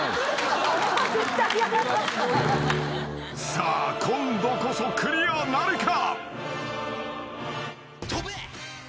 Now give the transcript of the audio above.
［さあ今度こそクリアなるか？］